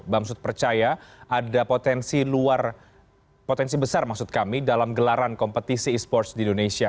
bamsud percaya ada potensi besar dalam gelaran kompetisi esports di indonesia